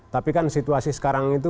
tapi kan situasi sekarang itu